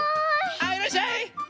はいいらっしゃい！